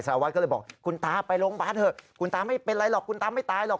สารวัตรก็เลยบอกคุณตาไปโรงพยาบาลเถอะคุณตาไม่เป็นไรหรอกคุณตาไม่ตายหรอก